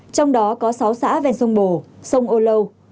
trong đó có sáu xã ven sông bồ sông âu lâu